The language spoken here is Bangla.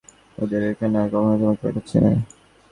কিন্তু মনিব হোন আর যিনিই হোন, ওদের ওখানে আর কখনো তোমাকে পাঠাচ্ছি নে।